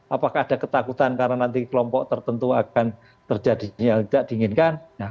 apakah ada ketakutan karena nanti kelompok tertentu akan terjadi tidak diinginkan